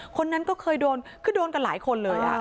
คนนั้นก็เคยโดนคือโดนกันหลายคนเลย